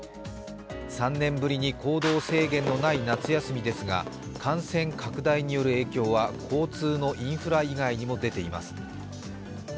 ３年ぶりに行動制限のない夏休みですが、感染拡大による影響は交通のインフラ以外にも出ています。